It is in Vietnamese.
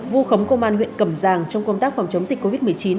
vua khống công an huyện cầm giang trong công tác phòng chống dịch covid một mươi chín